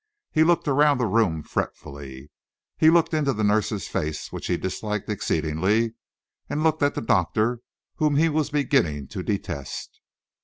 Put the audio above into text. He looked around the room fretfully. He looked into the nurse's face, which he disliked exceedingly, and he looked at the doctor, whom he was beginning to detest.